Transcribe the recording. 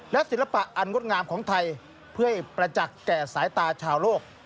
และศิลปะอันงดงามของไทยเพื่อให้ประจักษ์แก่สายตาชาวโลก